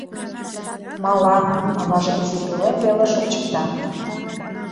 Мала, — аваже изи пӧлем велыш ончыкта.